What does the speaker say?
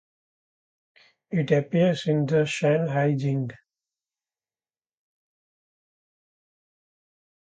It appears in the Shanhaijing.